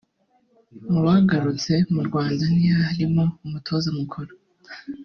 Mu bagarutse mu Rwanda ntiharimo umutoza mukuru